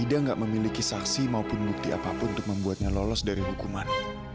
ida tidak memiliki saksi maupun bukti apapun untuk membuatnya lolos dari hukuman